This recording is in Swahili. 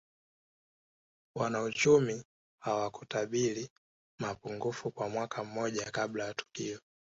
Wanauchumi hawakutabiri mapungufu kwa mwaka mmoja kabla ya tukio